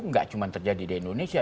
nggak cuma terjadi di indonesia